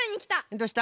どうした？